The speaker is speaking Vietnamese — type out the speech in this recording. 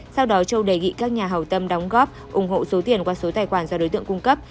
sau đó châu đề nghị các nhà hào tâm đóng góp ủng hộ số tiền qua số tài khoản do đối tượng cung cấp